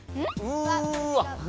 うわ！